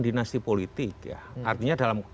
dinasti politik artinya dalam